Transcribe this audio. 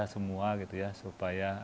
semua gitu ya supaya